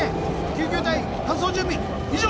救急隊搬送準備以上！